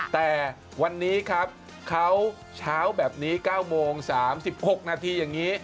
แต่วันนี้ครับเขาเช้าแบบนี้๙โมง๓๖นาทีอย่างนี้